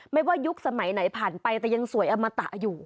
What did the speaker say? ไม่ว่ายุคสมัยไหนผ่านไปแต่ยังสวยอมตะอยู่